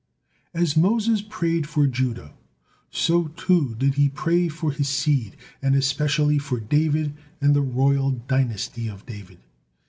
As Moses prayed for Judah, so too did he pray for his seed, and especially for David and the royal dynasty of David.